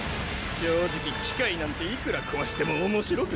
正直機械なんていくら壊しても面白くねえ。